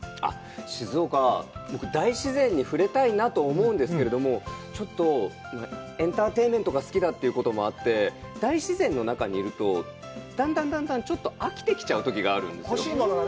静岡、僕、大自然にふれたいなと思うんですけれども、ちょっとエンターテインメントが好きだってこともあって、大自然の中にいると、だんだん、だんだん、ちょっと飽きてきちゃうときがあるんですよ。